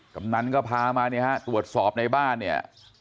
กำนันก็พามาเนี่ยฮะตรวจสอบในบ้านเนี่ย